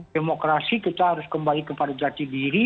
demokrasi kita harus kembali kepada jati diri